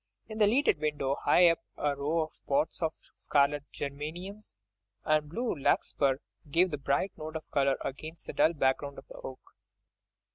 In the leaded window, high up, a row of pots of scarlet geraniums and blue larkspur gave the bright note of colour against the dull background of the oak.